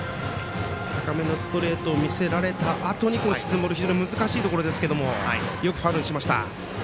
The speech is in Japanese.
高めのストレートを見せられたあとに、沈むボール非常に難しいところですがよくファウルしました。